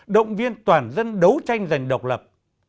động viên toàn dân đấu tranh dành độc lập